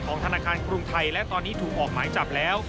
ธนาคารกรุงไทยและตอนนี้ถูกออกหมายจับแล้ว